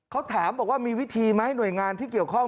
เขาถามบอกว่ามีวิธีไหมหน่วยงานที่เกี่ยวข้อง